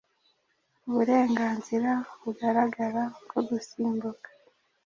uburenganzira bugaragara bwo gusimbura